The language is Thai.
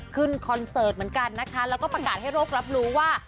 คอนเสิร์ตเหมือนกันนะคะแล้วก็ประกาศให้โรครับรู้ว่า